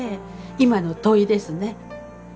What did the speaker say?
今の問いですね。